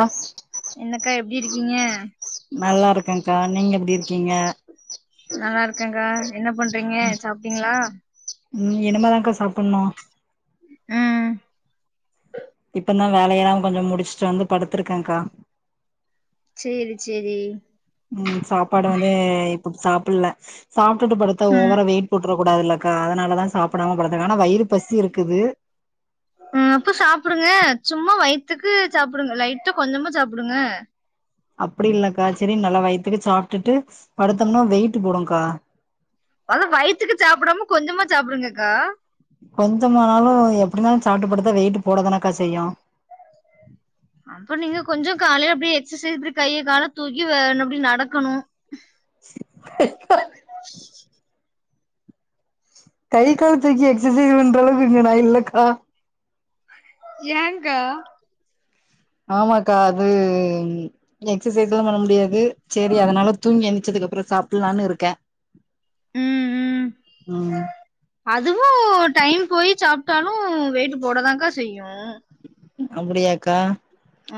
Asked என்னக்கா எப்டி இருக்கீங்க நல்லாருக்கேங்க்கா நீங்க எப்டி இருக்கீங்க நல்லாருக்கங்க்கா என்ன பண்றீங்க சாப்ட்டீங்ளா ம் இனிமேதாக்கா சாப்புட்ணு ம் இப்பந்தா வேலையெல்லா கொஞ்ச முடிஸ்ட்டு வந்து படுத்துருக்கேங்க்கா சேரி சேரி ம் சாப்பாடு வந்து இப்ப சாப்பில்ல சாப்டுட்டு படுத்தா ம் ஓவரா வெய்ட் போட்றக்கூடாதுல்லக்கா அதனால தா சாப்படாம படுத்துருக்க ஆனா வயிறு பசி இருக்குது. ம் அப்ப சாப்புடுங்க சும்மா வய்த்துக்கு சாப்புடுங்க லைட்டா கொஞ்சமா சாப்புடுங்க. அப்பிடி இல்லக்கா செரினு நல்லா வய்த்துக்கு சாப்டுட்டு படுத்தம்னா வெயிட்டு போடுங்க்கா அதா வய்த்துக்கு சாப்டாம கொஞ்சமா சாப்டுங்கக்கா. கொஞ்சமானாலு எப்டினாலு சாப்ட்டு படுத்தா வெயிட்டு போடதானக்கா செய்யு அப்ப நீங்க கொஞ்ச காலைல அப்டியே எக்சசைஸ் இப்டி கைய கால தூக்கி வேன் அப்டி நடக்கணு. கை கால் தூக்கி எக்சசைஸ் பண்ற அளவுக்கு இங்க நா இல்லக்கா. ஏங்கா? ஆமா கா அது எக்சசைஸ்லா பண்ண முடியாது செரி அதனால தூங்கி எந்திச்சதுகப்பறம் சாப்லான்னு இருக்கே உம் அதுவோ டைம் போயி சாப்டாலு வெயிட்டு் போடதாங்கா செய்யு. அப்பிடியாக்கா?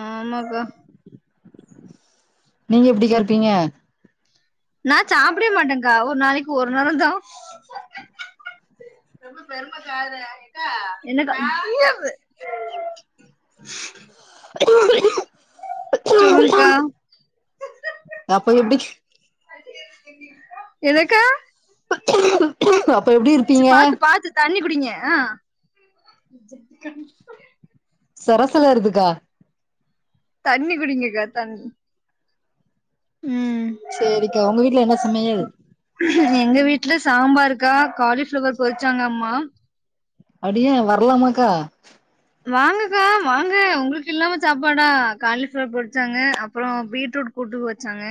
ஆமாக்கா நீங்க எப்டி கா இருப்பீங்க? நா சாப்பிடமாட்டேங்கா ஒரு நாளைக்கு ஒரு நேரோ தா ரொம்ப பெருமக்கா அதுல எக்கா எக்கா. சொல்லுங்கா? அப்ப எப்டி என்னக்கா அப்ப எப்டி ச்சி இருப்பீங்க பாத்து பாத்து தண்ணி குடிங்க அ சரசல் ஏருதுக்கா தண்ணி குடிங்கக்கா தண்ணி ம் சேரிக்கா உங்க வீட்டுல என்ன சமையல் எங்க வீட்டுல சாம்பாருக்கா காலிஃப்ளவர் பொரிச்சாங்க அம்மா அப்டியா வரலாமாக்கா வாங்கக்கா வாங்க உங்குளுக்கு இல்லாத சாப்பாடா காலிஃப்ளர் பொரிச்சாங்க அப்புறோ பீட்ரூட் கூட்டு வச்சாங்க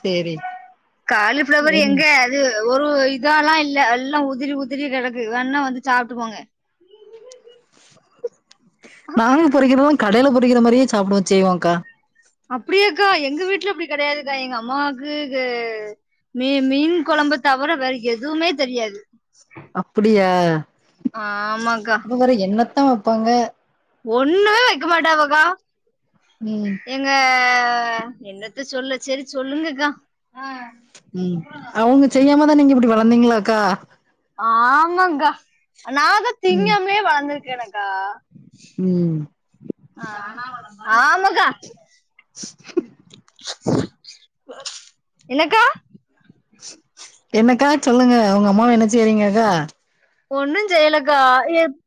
சேரி காலிஃபிளவர் வேறென்ன எங்க அது ஒரு இதால்லா இல்ல எல்லா உதிரி உதிரி கெடக்கு வேண்ணா வந்து சாப்ட்டு போங்க நாங்க பொறிக்கிறதும் கடையில பொறிக்கிற மாரியே சாப்டவோ செய்வோங்கா அப்புடியாக்கா எங்க வீட்டுல அப்புடி கிடையாதுக்கா எங்க அம்மாவுக்கு க மீ மீன் குழம்பு தவிர வேற எதுவுமே தெரியாது அப்படியா ஆமாக்கா அப்ப வேற என்னத்தா வெப்பாங்க? ஒன்னுமே வெக்க மாட்டாவக்கா. ம் எங்க என்னத்த சொல்ல செரி சொல்லுங்கக்கா ஆ உம்! அவுங்க செய்யாம தா நீங்க இப்டி வளந்தீங்களாக்கா? ஆமாங்கா நா தா ம் திங்காமே வளந்திருக்கேனேக்கா. உம்! ஆமாக்கா என்னக்கா என்னக்கா சொல்லுங்க உங்க அம்மாவ என்ன செய்றீங்கக்கா ஒன்னு செய்யுலக்கா எப்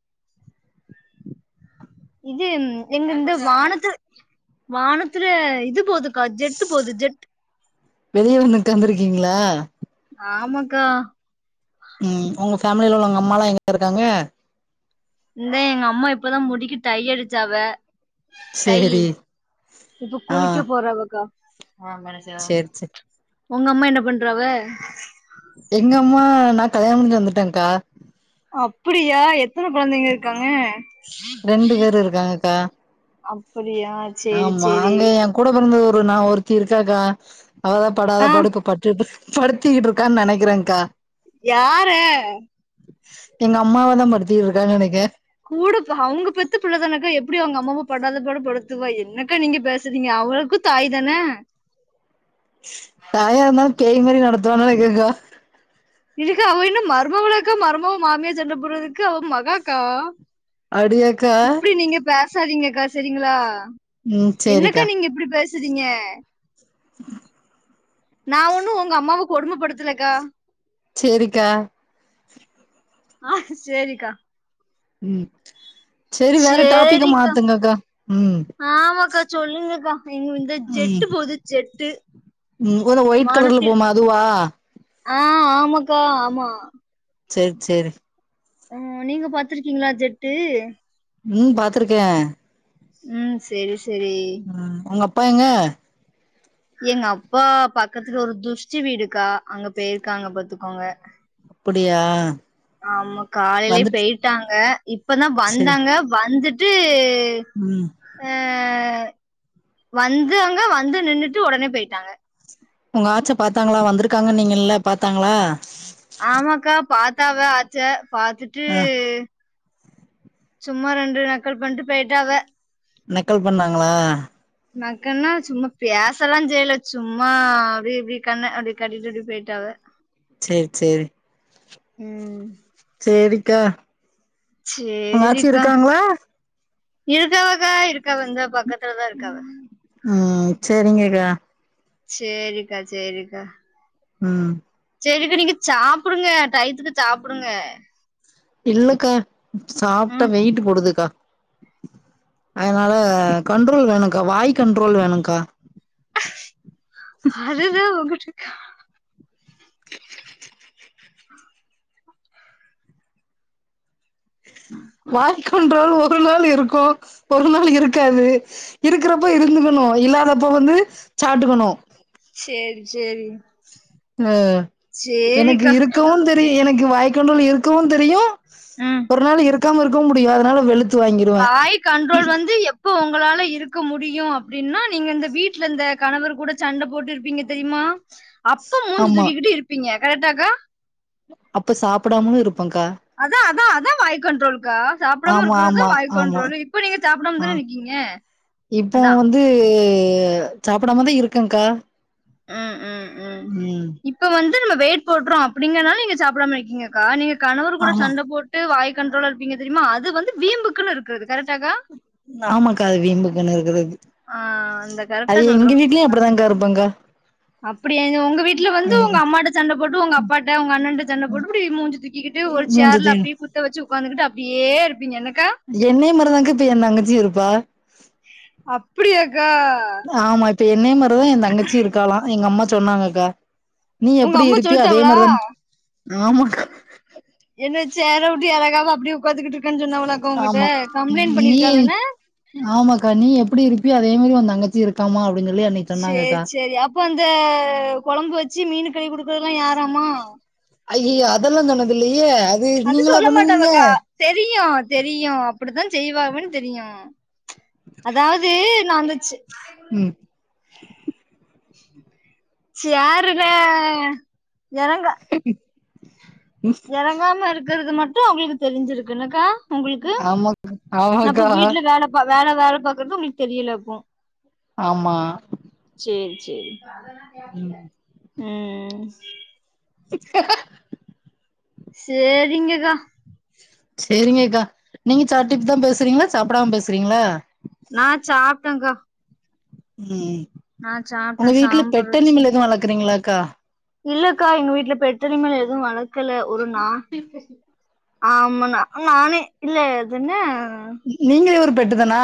இது ம் எங்க இருந்து வானத்து வானத்துல இது போதுக்கா ஜெட்டு போது ஜெட் வெளிய வந்து உக்காந்துருக்கீங்களா ஆமாக்கா உம் உங்க ஃபேமில உள்ள உங்க அம்மாலா எங்க இருக்காங்க இந்த எங்க அம்மா இப்பதா முடிக்கி டைய அடிச்சாவ டையி சேரி இப்ப ஆ குளிக்க போறவக்கா சேரி சேரி உங்க அம்மா என்ன பண்றாவ எங்க அம்மா நா கல்யாணோ முடிஞ்சு வந்துட்டக்கா அப்புடியா எத்தன கொழந்தைங்க இருக்காங்க ரெண்டு பேரு அப்புடியா ஆமாங்க எயா கூட பொறந்தது ஒரு நா ஒருத்தி இருக்காக்கா அவதா ஆஹ் படாதபாடு இப்ப பட்டுகிட்ட படுத்திகிட்டு இருக்கானு நெனைக்கிறேன்கா யார எங்க அம்மாவதா படுத்திகிட்டு இருக்கான்னு நெனைக்குற கூடப் அவுங்க பெத்த புள்ளதானக்கா எப்புடி அவுங்க அம்மாவ படாதபாடு படுத்துவா என்னக்கா நீங்க பேசுறீங்க அவளுக்கு தாய் தானே தாயா இருந்தாலு பேய் மாரி நடத்துவான்னு நெனைக்கிறேகா இதுக்கு அவ என்ன மருமவளாக்கா மருமொவ மாமியா சண்ட போட்றதுக்கு அவா மஹாக்கா அப்டியாக்கா இப்டி நீங்க பேசாதீங்கக்கா செரிங்களா ம் என்னக்கா சேரிக்கா நீங்க இப்புடி பேசுறீங்க நா ஒன்னு உங்க அம்மாவ கொடுமப்படுத்துலக்கா சேரிக்கா ஆ சேரிக்கா ம் செரி வேற டாபிக்க சரிக்கா மாத்துங்கக்கா ம் ஆமாக்கா சொல்லுங்கக்கா இங்க வந்து ம் ஜெட்டு போது ஜெட்டு ம் ஒரு ஒயிட் கலர்ல வானத்தில் போமா அதுவா ஆ ஆமாக்கா ஆமா செரி செரி ம் நீங்க பாத்துருக்கீங்களா ஜெட்டு ம் பாத்திருக்க ம் செரி செரி ம் உங்க அப்பா எங்க எங்க அப்பா பக்கத்துல ஒரு துஷ்டி வீடுக்கா அங்க போயிருக்காங்க பாத்துக்கோங்க அப்புடியா ஆமா காலைலயே பேயிட்டாங்க இப்பதா செரி வந்தாங்க வந்துட் ம் அ வந்தாங்க வந்து நின்னுட்டு ஒடனே போயிட்டாங்க உங்க ஆச்ச பாத்தாங்ளா வந்திருக்காங்கன்னீங்ளே பாத்தாங்ளா ஆமாக்கா பாத்தாவ ஆச்ச பாத்துட்டு ஆ சும்மா ரெண்டு நக்கல் பண்ட்டு போய்ட்டாவ நக்கல் பண்ணாங்ளா நக்கல்னா சும்மா பேசலா செய்யில சும்மா அப்டி இப்டி கண்ண அப்டி காட்டிட்டு இப்டி போயிட்டாவ சேரி சேரி ம் சேரிக்கா உங்க ஆட்சி சேரிக்கா இருக்காங்ளா இருக்காவக்கா இருக்காவ இந்த பக்கத்துலதா இருக்காவ ம் செரிங்கக்கா சேரிக்கா சேரிக்கா ம் செரிங்க்கா நீங்க சாப்டுங்க டயத்துக்கு சாப்டுங்க இல்லக்கா சாப்ட்டா ம் வெய்ட்டு் போடுதுக்கா அதனால கண்ட்ரோல் வேணுக்கா வாய் கண்ட்ரோல் வேணுங்க்கா அதுதா உங்குட்டு இக்கா வாய் கன்ட்ரோல் ஒரு நாள் இருக்கு ஒரு நாள் இருக்காது இருக்கறப்ப இருந்துக்கணு இல்லாதப்ப வந்து சாப்ட்டுக்கனு சேரி சேரி உ எனக்கு இருக்கவும் தெரி எனக்கு வாய் கண்ட்ரோல் இருக்கவுந் தெரியு ம் ஒரு நாள் இருக்காம இருக்கவு முடியா அதனால வெளு வாய் கண்ட்ரோல் வந்து எ ப்போ உங்களால இருக்க முடியு அப்டினா நீங்க இந்த வீட்ல இந்த கணவர் கூட சண்ட போட்டு இருப்பீங்க தெரிமா அப்ப மூஞ்சு ஆமா தூக்கி கிட்டு இருப்பீங்க கரெக்டாக்கா அப்ப சாப்டாமமு இருப்பங்க்கா அதா அதா அதா வாய் கண்ட்ரோல்க்கா சாப்டாம ஆமா இருக்கறதுதா ஆமா வாய் ஆமா கண்ட்ரோல் இப்ப நீங்க ஆ சாப்டாமதான இருக்கீங்க இப்போ அதான் வந்து சாப்டாமதா இருக்கங்க்கா ம் ம் ம் இப்ப வந்து நம்ம வெயிட் போட்டுறோ அப்டிங்கனால நீங்க சாப்டாம இருக்கீங்கக்கா நீங்க கணவர் கூட ஆமா சண்ட போ ட்டு வாய் கண்ட்ரோலா இருப்பீங்க தெரிமா அது வந்து வீம்புக்குன்னு இருக்கிறது கரெக்டாக்கா ஆமாக்கா அது வீம்புக்குனு இருக்கறது ஆ அந்த கரெக்டா அது எங்க வீட்லயு அப்டிதான்க்கா இருப்பன்க்கா அப்டி உங்க வீட்ல வந்து உங்க மூஞ்ச அம்மாட்ட சண்ட போட்டு உங்க அப்பாட்ட உங்க அண்ணட்ட சண்ட போட்டு இப்டி மூஞ்சு தூ தூக்கி கிட்டு ஒரு மூஞ்ச சேர்ல தூக்கினு அப்டியே குத்த வெச்சு உடக்காந்துகிட்டு அப்டியே இருப்பீங்க என்னக்கா என்னய மாருதாங்க்கா இப்ப என் தங்கச்சி இருப்பா அப்படியாக்கா ஆமா இப்ப என்னய மாரிதா என் தங்கச்சி இருக்கலா எங்க அம்மா சொன்னாங்கக்கா நீ உங்க எப்டி அம்மா இருப்பியோ அதே சொல்லிட்டாவளா மாரிதா ஆமாக்கா என்ன சேர விட்டு எறங்காம அப்டியே உக்காந்த்துட்டு இருக்குன்னு சொன்னாவங்களாக்கு உன்கிட்ட ஆமா கம்ப்ளைண்ட் நீ பண்ணிருக்காவ என்ன ஆமாக்கா நீ எப்டி இருப்பியோ அதே மாரி ஓன் தங்கச்சியு இருக்காமா அப்டின்னு சொல்லி அன்னை சேரி சேரி அப்ப அந்த கொழம்பு வெச்சு மீனு கழுவி குடுக்கறதெல்லா யாராமா அய்யய்யோ அதெல்லா சொன்னது இல்லையே அது நீங்களா சொல்ல பண்ணுவீங்க மாட்டாவக்கா தெரியு தெரியு அப்டிதான் செய்வாவேன்னு தெரியு அதாவது நந்துச்சு ம் சேருற யாரா உம் எறங்காம இருக்கறது மட்டு அவுங்களுக்கு தெரிஞ்சிருக்கு என்னக்கா உங்களுக்கு ஆமா நம்ம ஆமாக்கா வீட்ல வேல வேல வேல பாக்கறது உங்களுக்கு தெரியல அப்போ ஆமா சேரி சேரி ம் சேரிங்கக்கா சேரிங்கக்கா நீங்க சாப்டுட்டுதா பேசறீங்ளா சாப்டாம பேசறீங்ளா நா சாப்ட்டங்க்கா ம் உங்க சாப்ட்டே வீட்ல சாம்பார் வச்சு பெட்டனிமல் எது வளக்குறீங்ளாக்கா இல்லக்கா எங்க வீட்ல பெட் அனிமல் எது வளக்கல ஒரு நா ஆமாண்ணா நானே இல்ல அது என்ன நீங்களே ஒரு பெட்டுதானா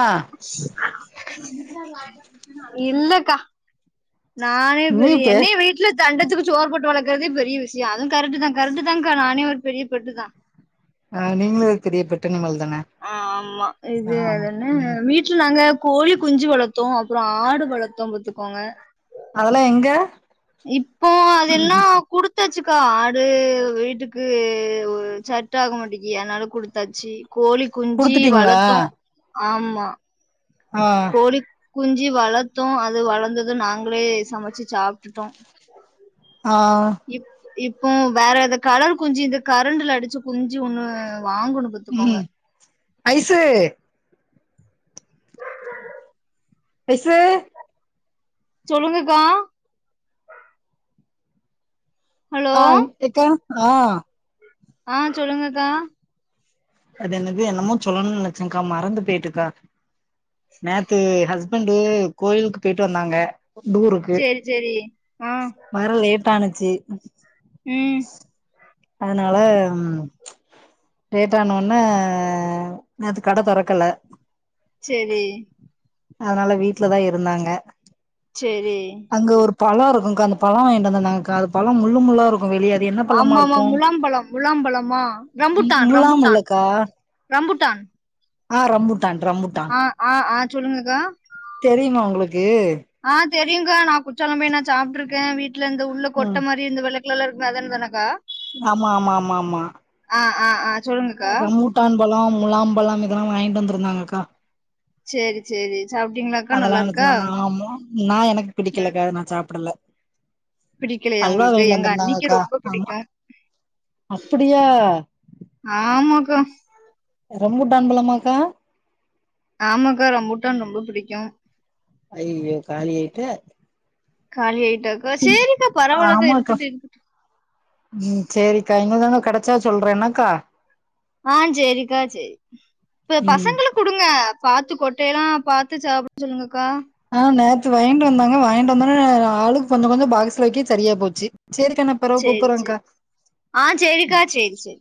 இல்லக்கா நானே நீ பெரிய பே என்னய வீட் இல்ல தண்டத்துக்கு சோறு போட்டு வளக்கறதே பெரிய விஷ்யோ அது கரெக்ட்டுதா கரெக்ட்டுதாங்கா நானே ஒரு பெரிய பெட்டுதா ஆ நீங்களு ஒரு பெரிய பெட்டனிமல்தான ஆ ஆமா இது அது என்ன வீட் ல நாங்க கோழி குஞ்சு வளத்தோ அப்புறோ ஆடு வளத்தோ பாத்துக்கோங்க அதுல்லா எங்க இப்போ அதெல்லா குடுத் தாச்சுக்கா ஆடு வீட்டுக்கு செட் ஆக மாட்டிக்கி அதனால குடுத்தாச்சு கோழி குஞ்சி குடுத்துட்டீங்களா வளர்த்தோ ஆமா ஆ கோழி குஞ்சி வளத்தோ அது வளர்ந்தது நாங்களே சமச்சு சாப்டுட்டோ ஆ இப் இப்ப வேற எத கலர் குஞ்சி இந்த கரண்டுல அடிச்சு குஞ்சி ஒன்னு வாங்கணு பாத்துக்கோங்க ம் ஐசு ஐசு சொல்லுங்கக்கா ஹலோ ஆ எக்கா ஆ ஆ சொல்லுங்கக்கா அது என்னது என்னமோ சொல்லணு நெனைச்சேக்கா மறந்து போய்ட்டுக்கா நேத்து ஹஸ் பண்டு கோயிலுக்கு போய்ட்டு வந்தாங்க டூருக்கு சேரி சேரி ஆ வர லேட் ஆனுச்சு ம் அதனால லேட் ஆன ஒன்னே நேத்து கட தொறக்கல சேரி அதனால வீட்லதா இருந்தாங்க சேரி அங்க ஒரு பழோ இருக்குகா அந்த பழோ வாங்கிட்டு வந்துருந்தாங்ககா அது பழோ முள்ளு முள்ளா இருக்கு வெளிய அது என்ன பழமா ஆமா இருக்கு முலாம்பழம் முலாம்பழமா ம் ரம்பூட்டான் முலாம் ரம்பூட்டான் இல்லக்கா ரம்பூட்டான் ஆ ரம்பூட்டான் ரம்பபூட்டா அ ஆ ஆ சொல்லுங்கக்கா தெரியுமா உங்குளுக்கு ஆ தெரியுக்கா நா குற்றாலம் போய் என்னாத் சாப்ட்ருக்கே வீட்டுல இந்த உள்ள ம் கொட்ட மாரி இந்த வெள்ள கலர்ல இருக்குமே அதுதானேக்கா ஆமா ஆமா ஆமா ஆமா அ அ ஆ சொல்லுங்கக்கா ரமூட்டான் பழோ முலாம்பழோ இதெல்லா வாங்கிட்டு வந்துருந்தாங்கக்கா சேரி சேரி சாப்ட்டீங்களாக்கா அதெல்லா நல்லா இருக்கா அவனுக்லா ஆமா நா எனக்கு ம் பிடிக்கலக்கா நா சாப்படல பிடிக்கலையா அல்வா உங்களுக்கு? வாயிண்டு எங்க அண்ணிக்கு வந்துருந்தாங்ககா ரொம்ப ஆமா பிடிக்கும். அப்புடியா ஆமாக்கா ரம்பூட்டான் பழமாக்கா ஆமாக்கா ரம்பூட்டான் ரொம்ப பிடிக்கு ஐயயோ காலி ஆய்ட்டே காலி ஆய்ட்டாக்கா செரிக்கா பரவாலக்கா ஆமாக்கா இருக்கட்டு இருக்கட்டு ம் சேரிக்கா இன்னுதன கெடச்சா சொல்றே என்னக்கா ஆ சேரிக்கா சேரி இப்ப ம் பசங்களுக்கு குடுங்க பாத்து கொட்டையலா பாத்து சாப்ட சொல்லுங்கக்கா ஆ நேத்து வாங்கிட்டு வந்தாங்க வாங்கிட்டு வந்தோனே ஆளுக்கு கொஞ்சொ கொஞ்சொ பாக்ஸ்ல வைக்க சரியா போச்சு சரிக்கா நா பெறவு சேரி கூப்புறேங்க்கா செரி ஆ சேரிக்கா சேரி செரி